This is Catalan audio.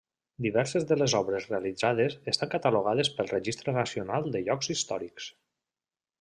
Diverses de les obres realitzades estan catalogades pel Registre Nacional de Llocs Històrics.